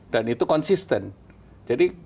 dan itu konsisten jadi